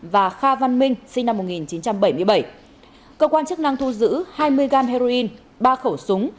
và kha văn minh sinh năm một nghìn chín trăm bảy mươi bảy cơ quan chức năng thu giữ hai mươi gan heroin ba khẩu súng